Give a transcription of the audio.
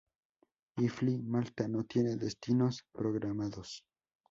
Hi Fly Malta no tiene destinos programados.